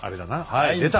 はい出た。